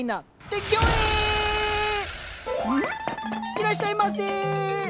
いらっしゃいませ！